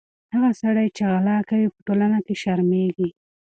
هغه سړی چې غلا کوي، په ټولنه کې شرمېږي.